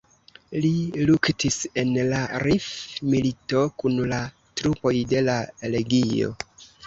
Li luktis en la Rif-milito kun la trupoj de la Legio.